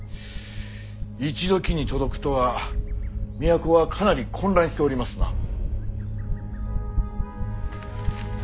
一時に届くとは都はかなり混乱しておりますな。